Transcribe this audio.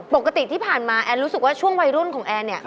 ปกติที่ผ่านมาแอนรู้สึกว่าช่วงวัยรุ่นของแอนเนี่ย